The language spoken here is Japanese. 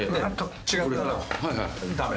違ったらダメ。